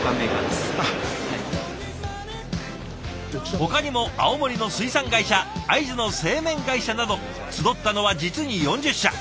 ほかにも青森の水産会社会津の製麺会社など集ったのは実に４０社。